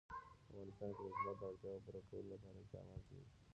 په افغانستان کې د زمرد د اړتیاوو پوره کولو لپاره اقدامات کېږي.